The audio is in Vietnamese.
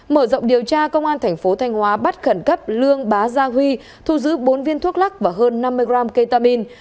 mở rộng điều tra công an thành phố thanh hóa bắt khẩn cấp lương bá gia huy thu giữ bốn viên thuốc lắc và hơn năm mươi gram ketamine